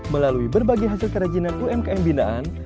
melalui berbagai hasil kerajinan umkm binaan